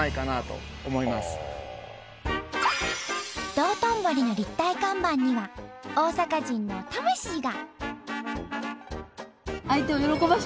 道頓堀の立体看板には大阪人の魂が。